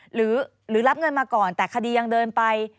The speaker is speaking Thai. หรือรับเงินมาก่อนแต่คดียังเดินไป